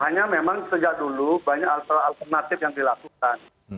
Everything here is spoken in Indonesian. hanya memang sejak dulu banyak alternatif yang dilakukan